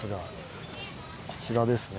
こちらですね。